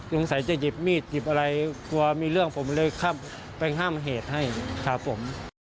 สงสัยจะหยิบมีดหยิบอะไรกลัวมีเรื่องผมเลยเข้าไปห้ามเหตุให้ครับผม